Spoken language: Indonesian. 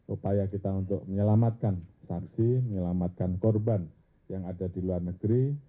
upaya kita untuk menyelamatkan saksi menyelamatkan korban yang ada di luar negeri